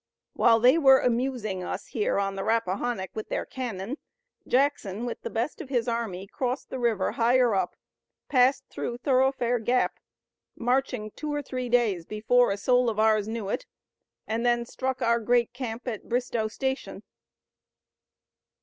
While they were amusing us here on the Rappahannock with their cannon, Jackson with the best of the army crossed the river higher up, passed through Thoroughfare Gap, marching two or three days before a soul of ours knew it, and then struck our great camp at Bristoe Station."